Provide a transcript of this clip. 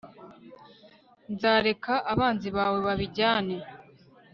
nzareka abanzi bawe babijyane